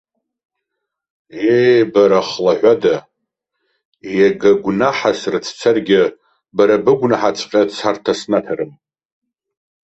Ее, бара ахлаҳәада, ега гәнаҳа срыцәцаргьы, бара быгәнаҳаҵәҟьа царҭа снаҭарым!